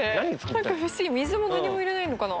何か不思議水も何にも入れないのかな？